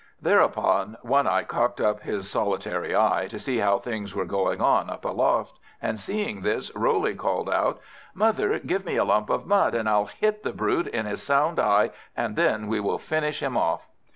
Thereupon One eye cocked up his solitary eye, to see how things were going on up aloft; and seeing this, Roley called out "Mother, give me a lump of mud, and I'll hit the brute in his sound eye, and then we will finish him off."